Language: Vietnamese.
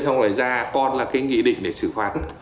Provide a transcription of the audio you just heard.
phải ra con là cái nghị định để xử phạt